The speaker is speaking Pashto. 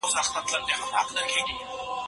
په اخترونو کې د زعفرانو چای څښل کېږي.